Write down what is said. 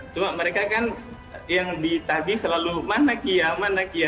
cuma mereka kan yang ditagih selalu mana kia mana kia